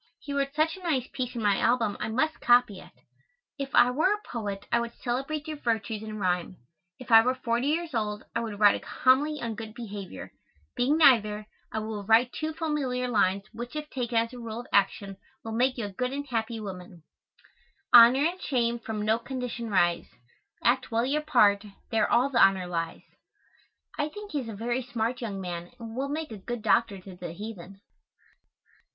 He wrote such a nice piece in my album I must copy it, "If I were a poet I would celebrate your virtues in rhyme, if I were forty years old, I would write a homily on good behavior; being neither, I will quote two familiar lines which if taken as a rule of action will make you a good and happy woman: "Honor and shame from no condition rise, Act well your part, there all the honor lies." I think he is a very smart young man and will make a good doctor to the heathen.